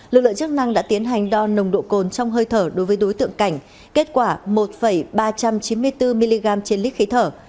lực lượng chức năng đã tiến hành đo nồng độ cồn trong hơi thở đối với đối tượng cảnh kết quả một ba trăm chín mươi bốn mg trên lít khí thở